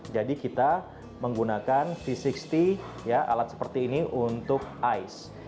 jadi kita menggunakan v enam puluh alat seperti ini untuk ais